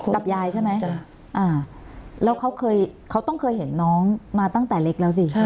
กับยายใช่ไหมแล้วเขาเคยเขาต้องเคยเห็นน้องมาตั้งแต่เล็กแล้วสิ